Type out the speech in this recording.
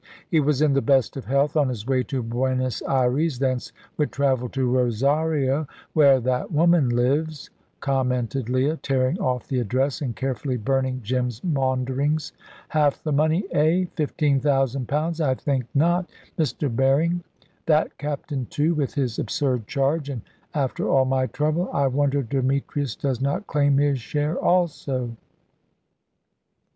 He was in the best of health, on his way to Buenos Ayres; thence would travel to Rosario "where that woman lives," commented Leah, tearing off the address and carefully burning Jim's maunderings. "Half the money eh? Fifteen thousand pounds! I think not, Mr. Berring. That captain, too, with his absurd charge, and after all my trouble! I wonder Demetrius does not claim his share, also."